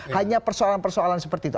hanya persoalan persoalan seperti itu